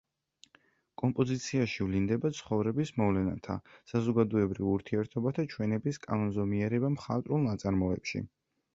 კომპოზიციაში ვლინდება ცხოვრების მოვლენათა, საზოგადოებრივ ურთიერთობათა ჩვენების კანონზომიერება მხატვრულ ნაწარმოებში.